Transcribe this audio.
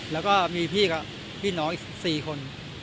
แล้วก็มีพี่กับพี่น้องอีก๔คน